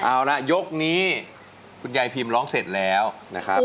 เอาละยกนี้คุณยายพิมร้องเสร็จแล้วนะครับ